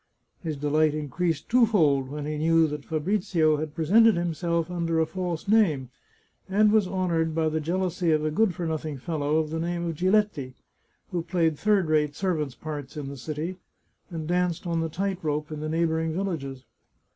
His delight increased twofold when he knew that Fabrizio had presented himself under a false name, and was honoured by the jealousy of a good for nothing fellow of the name of Giletti, who played third rate servants' parts in the city, and danced on the tight rope in the neighbouring villages.